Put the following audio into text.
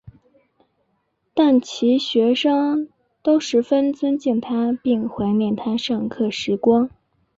但其学生都十分尊敬他并怀念他上课时光。